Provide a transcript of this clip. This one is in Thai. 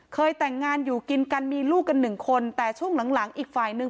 เคยแต่งงานอยู่กินกันมีลูกกันหนึ่งคนแต่ช่วงหลังอีกฝ่ายนึง